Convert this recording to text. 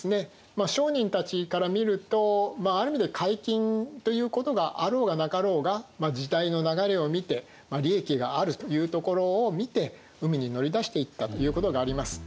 商人たちから見るとある意味で海禁ということがあろうがなかろうが時代の流れを見て利益があるというところを見て海に乗り出していったということがあります。